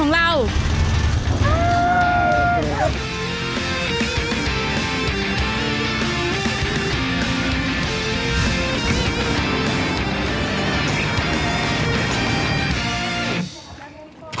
อาหารที่สุดในประวัติศาสตร์